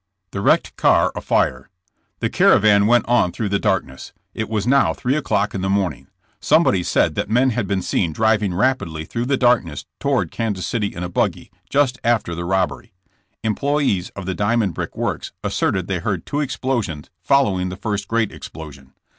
THE WRECKED CAR AFIRE. The caravan went on through the darkness. It was now three o'clock in the morning. Somebody 118 JKSSS JAMKS. said that men had been seen driving rapidly throngli the darkness toward Kansas City in a buggy, just after the robbery. Employees of the Diamond Brick works asserted they heard two explosions following the first great explosion.